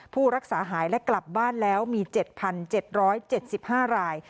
ผู้รักษาหายและกลับบ้านแล้วมี๗๗๕ราย